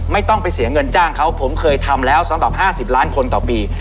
ไม่ต้องไปเสียเงินจ้างเขาผมเคยทำแล้วสำหรับ๕๐ล้านคนต่อปี